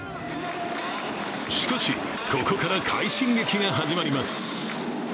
しかし、ここから快進撃が始まります。